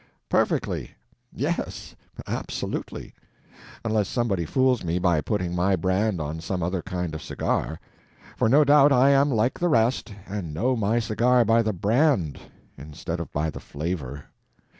Perfectly; yes, absolutely—unless somebody fools me by putting my brand on some other kind of cigar; for no doubt I am like the rest, and know my cigar by the brand instead of by the flavor.